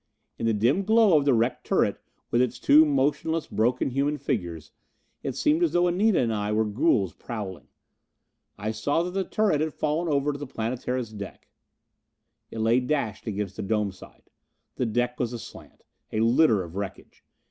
In the dim glow of the wrecked turret with its two motionless, broken human figures, it seemed as though Anita and I were ghouls prowling. I saw that the turret had fallen over to the Planetara's deck. It lay dashed against the dome side. The deck was aslant. A litter of wreckage.